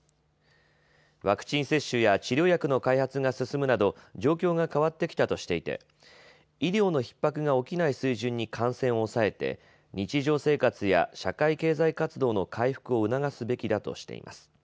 ワクチン接種や治療薬の開発が進むなど状況が変わってきたとしていて医療のひっ迫が起きない水準に感染を抑えて日常生活や社会経済活動の回復を促すべきだとしています。